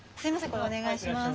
これお願いします。